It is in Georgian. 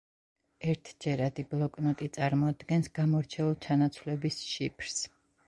ერთჯერადი ბლოკნოტი წარმოადგენს გამორჩეულ ჩანაცვლების შიფრს.